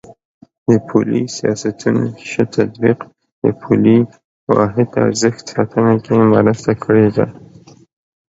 د پولي سیاستونو ښه تطبیق د پولي واحد ارزښت ساتنه کې مرسته کړې ده.